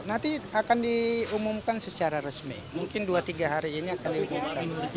nanti akan diumumkan secara resmi mungkin dua tiga hari ini akan diumumkan